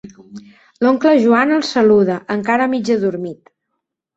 L'oncle Joan el saluda, encara mig adormit.